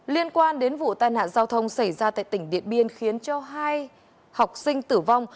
liên quan đến vụ tai nạn giao thông xảy ra tại tỉnh điện biên khiến cho hai học sinh tử vong